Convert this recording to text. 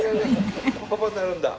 パパになるんだ。